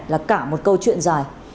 là cả một câu chuyện dài